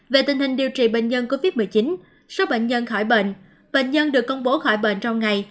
về tình hình điều trị bệnh nhân covid một mươi chín số bệnh nhân khỏi bệnh bệnh nhân được công bố khỏi bệnh trong ngày